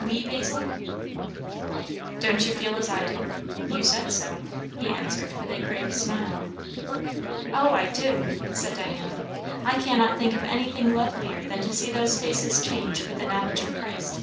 "We, Basil?" "Don't you feel as I do? You said so," he answered with a grave smile. "O, I do!" said Diana. "I cannot think of anything lovelier than to see those faces change with the knowledge of Christ."